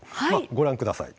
ご覧ください。